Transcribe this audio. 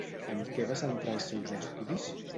En què va centrar els seus estudis?